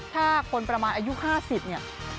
ถ้าคนประมาณอายุ๕๐เนี่ย